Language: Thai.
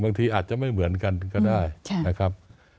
อาจจะไม่เหมือนกันก็ได้นะครับ